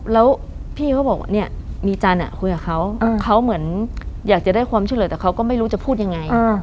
แล้วพี่เขาบอกว่าเนี่ยมีจันทร์คุยกับเขาเขาเหมือนอยากจะได้ความช่วยเหลือแต่เขาก็ไม่รู้จะพูดยังไง